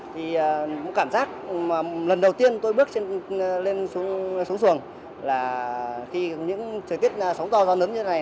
thì cảm giác lần đầu tiên tôi bước lên xuống xuồng là khi những thời tiết sóng to do lớn như thế này